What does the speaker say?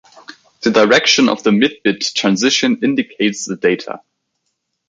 The direction of the mid-bit transition indicates the data.